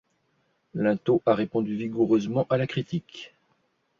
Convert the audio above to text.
Linteau a répondu vigoureusement à la critique.